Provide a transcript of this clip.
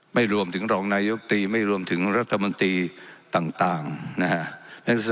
ไม่รวมถึงรองนายกตรีไม่รวมถึงรัฐมนตรีต่างนะฮะ